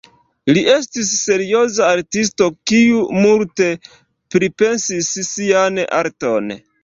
Li estis serioza artisto, kiu multe pripensis sian arton.